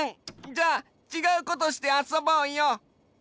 じゃあちがうことしてあそぼうよ！